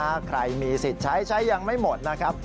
ถ้าใครมีสิทธิ์ใช้ใช้ยังไม่หมดนะครับ